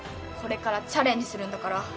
これからチャレンジするんだから。